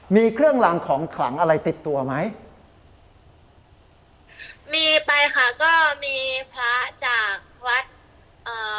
มีเครื่องรางของขลังอะไรติดตัวไหมมีไปค่ะก็มีพระจากวัดอ่า